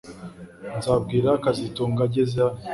Nzabwira kazitunga ageze hano